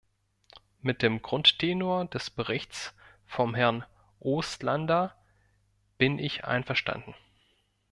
Mit dem Grundtenor des Berichts von Herrn Oostlander bin ich einverstanden.